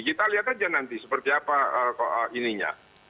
kita lihat aja nanti seperti apa ininya